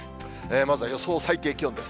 まずは予想最低気温です。